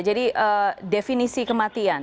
jadi definisi kematian